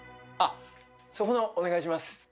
あっそこのお願いします。